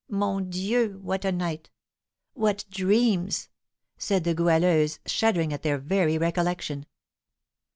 Mon Dieu! what a night! What dreams!" said the Goualeuse, shuddering at their very recollection.